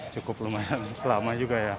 cukup lumayan lama juga ya